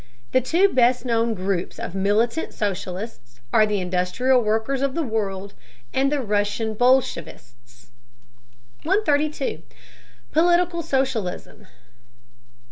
The two best known groups of militant socialists are the Industrial Workers of the World and the Russian bolshevists. 132. POLITICAL SOCIALISM.